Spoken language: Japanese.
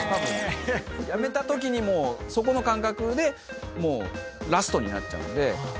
やめたときにそこの感覚でもうラストになっちゃうんで。